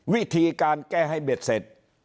วิธีการแก้ให้เบ็ดเสร็จ